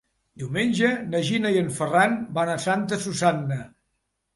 Diumenge na Gina i en Ferran van a Santa Susanna.